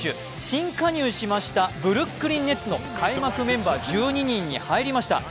新加入しましたブルックリン・メッツの開幕メンバー１２人に入りました。